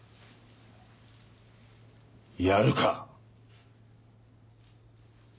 やるか？